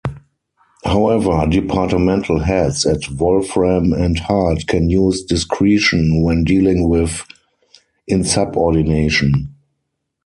However, departmental heads at Wolfram and Hart can use discretion when dealing with insubordination.